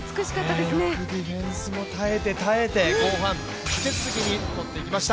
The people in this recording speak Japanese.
よくディフェンスも耐えて耐えて、後半、立て続けに取っていきました。